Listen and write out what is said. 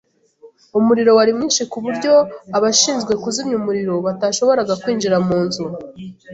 Umuriro wari mwinshi kuburyo abashinzwe kuzimya umuriro batashoboraga kwinjira mu nzu.